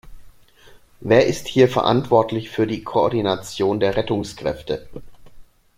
Wer ist hier verantwortlich für die Koordination der Rettungskräfte?